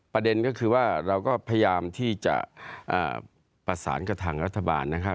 ประเด็นก็คือว่าเราก็พยายามที่จะเอ่อประสานกระทั่งรัฐบาลนะฮะ